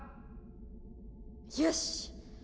よし！